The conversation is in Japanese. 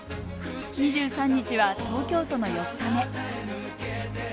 ２３日は東京都の４日目。